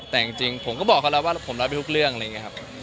แต่จริงผมก็บอกเขาแล้วว่าผมรับไปทุกเรื่องอะไรอย่างนี้ครับ